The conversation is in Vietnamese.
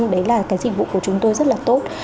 đấy là cái dịch vụ của chúng tôi rất là tốt